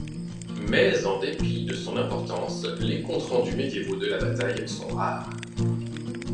Mais, en dépit de son importance, les comptes-rendus médiévaux de la bataille sont rares.